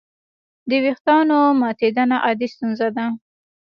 د وېښتیانو ماتېدنه عادي ستونزه ده.